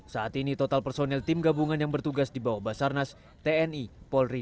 saat ini total personel tim gabungan yang bertugas di bawah basarnas tni polri